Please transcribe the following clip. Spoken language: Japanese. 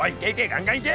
ガンガンいけ。